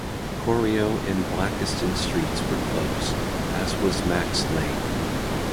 Corio and Blakiston Streets were closed, as was Macks Lane.